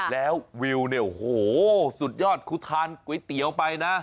แล้ววิวเนี่ยโอ้โหสุดยอดคุณทานก๋วยเตี๋ยวไปนะ